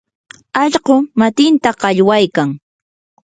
allqu matinta llaqwaykan.